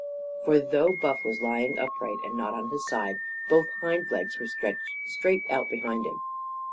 For, though Buff was lying upright and not on his side, both hind legs were stretched straight out behind him.